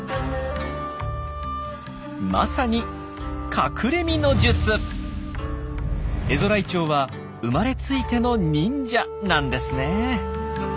まさに「隠れ身の術」！エゾライチョウは生まれついての忍者なんですね。